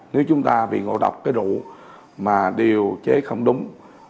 nếu chúng ta bị ngộ độc cái đủ mà điều chế không đúng